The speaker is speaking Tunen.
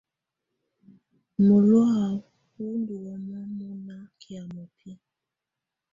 Mɔlɔ̀á wù ndù wamɛ̀á mɔna kɛ̀́á mɔbɛ̀á.